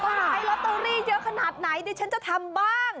ใช้ลอตเตอรี่เยอะขนาดไหนดิฉันจะทำบ้าง